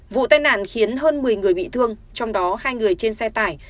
vụ tai nạn khiến hơn một mươi người bị thương trong đó hai người trên xe tải